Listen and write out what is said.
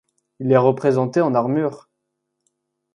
Il est représenté en armure.